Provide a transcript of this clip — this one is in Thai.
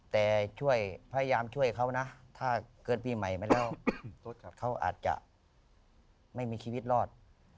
แต่ช่วยพยายามช่วยเขานะถ้าเกิดปีใหม่ไปแล้วเขาอาจจะไม่มีชีวิตรอด